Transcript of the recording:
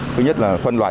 thứ nhất là phân loại